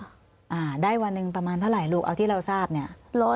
อ่าได้วันหนึ่งประมาณเท่าไหร่ลูกเอาที่เราทราบเนี่ย